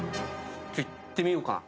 いってみようかな。